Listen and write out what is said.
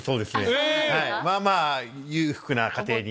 まぁまぁ裕福な家庭に。